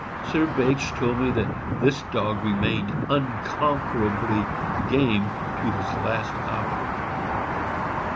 Sir Bache told me that this dog remained unconquerably game to his last hour.